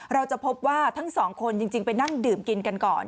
เราจะพบว่าทั้งสองคนจริงไปนั่งดื่มกินกันก่อน